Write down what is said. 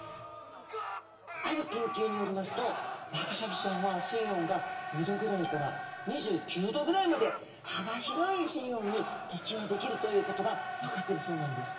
ある研究によりますとワカサギちゃんは水温が２℃ぐらいから２９℃ぐらいまで幅広い水温に適応できるということが分かってるそうなんです。